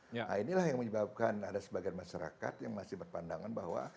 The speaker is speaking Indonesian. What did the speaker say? nah inilah yang menyebabkan ada sebagian masyarakat yang masih berpandangan bahwa